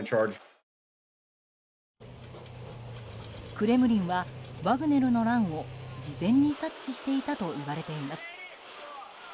クレムリンはワグネルの乱を事前に察知していたといわれています。